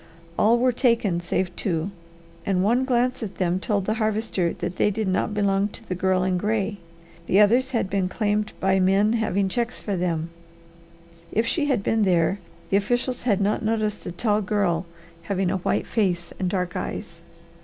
All were taken save two, and one glance at them told the Harvester that they did not belong to the girl in gray. The others had been claimed by men having checks for them. If she had been there, the officials had not noticed a tall girl having a white face and dark eyes.